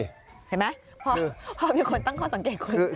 เห็นไหมพอมีคนตั้งข้อสังเกตคุณ